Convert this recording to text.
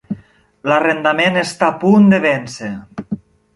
L'arrendament està a punt de vèncer.